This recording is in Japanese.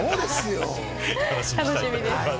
楽しみです。